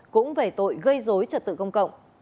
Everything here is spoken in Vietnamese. cũng về tội gây dối trật tự công cộng